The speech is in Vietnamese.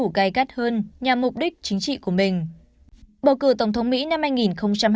ông donald trump sẽ củng kích các đối thủ gai gắt hơn nhằm mục đích chính trị của mình